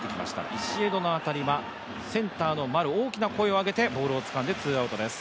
ビシエドの当たりは、センターの丸大きな声を上げてつかんで、ツーアウトです。